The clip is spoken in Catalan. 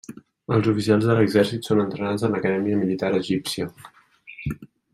Els oficials de l'exèrcit són entrenats en l'Acadèmia Militar Egípcia.